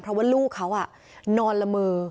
เพราะว่าลูกเขานอนละเมอ